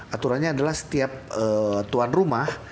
aturannya adalah setiap tuan rumah